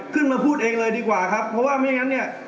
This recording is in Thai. เพราะว่าไม่อย่างนั้นเนี่ย